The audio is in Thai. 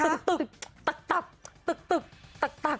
ตึ๊กตึ๊กตักตักตึ๊กตึ๊กตักตัก